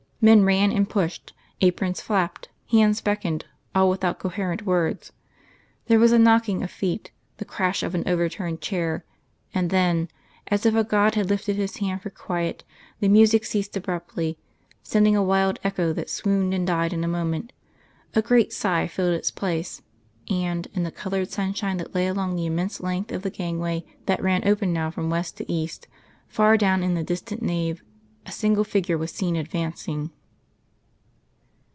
Men ran and pushed, aprons flapped, hands beckoned, all without coherent words. There was a knocking of feet, the crash of an overturned chair, and then, as if a god had lifted his hand for quiet, the music ceased abruptly, sending a wild echo that swooned and died in a moment; a great sigh filled its place, and, in the coloured sunshine that lay along the immense length of the gangway that ran open now from west to east, far down in the distant nave, a single figure was seen advancing.